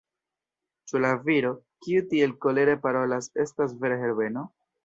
Ĉu la viro, kiu tiel kolere parolas, estas vere Herbeno?